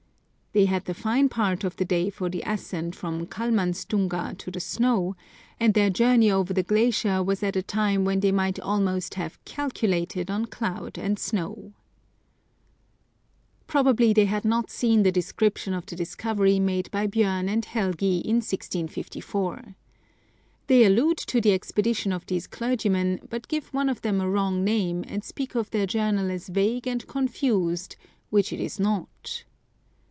They had the fine part of the day for the ascent from Kalmanstiinga to the snow, and their journey over the glacier was at a time when they might almost have calculated on cloud and snow. 226 A Mysterious Vale w I Probably they had not seen the description of the discovery made by Bjom and Helgi in 1654. They allude to the expedition of these clergymen, but give one of them a wrong name, and speak of their journal as vague and confused, which it is not.